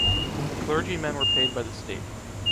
The clergymen were paid by the state.